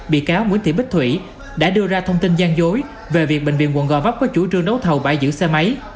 bị cáo nguyễn thị bích thủy đã đưa ra thông tin gian dối về việc bệnh viện quận gò vấp có chủ trương đấu thầu bãi giữ xe máy